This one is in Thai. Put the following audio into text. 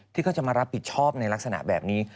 ที่เขาจะมารับผิดชอบในลักษณะแบบนี้